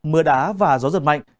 mưa đá và gió giật mạnh